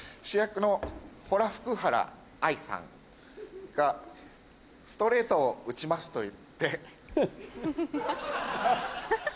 主役のホラフクハラアイさんがストレートを打ちますと。